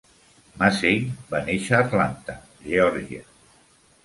Massey va néixer a Atlanta, Geòrgia.